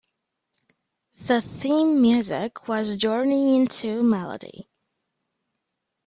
The theme music was Journey into Melody.